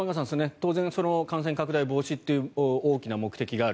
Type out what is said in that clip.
当然、感染拡大防止という大きな目的がある。